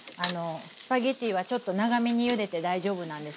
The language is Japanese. スパゲッティはちょっと長めにゆでて大丈夫なんです。